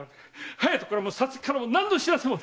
隼人からも皐月からも何の報せも！